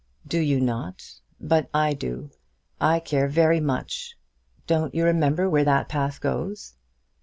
"Do you not? But I do. I care very much. Don't you remember where that path goes?"